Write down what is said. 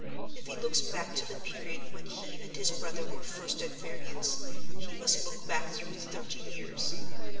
If he looks back to the period when he and his brother were first at variance, he must look back through thirty years.